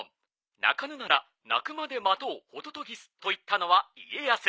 「鳴かぬなら鳴くまで待とうホトトギス」と言ったのは家康。